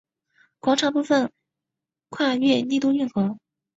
广场部分跨越丽都运河。